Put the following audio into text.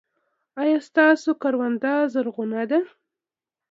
ایا ستاسو کرونده زرغونه ده؟